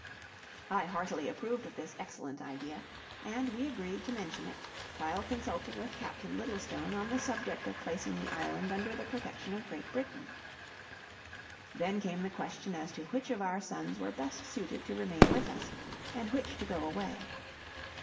I heartily approved of this excellent idea, and we agreed to mention it, while consulting with Captain Littlestone on the subject of placing the island under the protection of Great Britain. Then came the question as to which of our sons were best suited to remain with us, and which to go away.